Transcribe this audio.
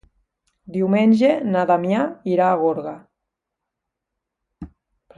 Diumenge na Damià irà a Gorga.